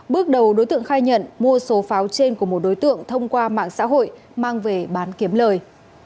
bước đầu đối tượng khai nhận mua số pháo trên của một đối tượng thông qua mạng xã hội mang về bán kiếm lời